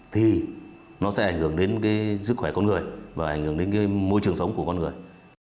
thì nó sẽ ảnh hưởng đến sức khỏe con người và ảnh hưởng đến môi trường sống của con người